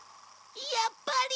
やっぱり。